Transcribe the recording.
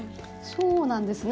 そうなんですね。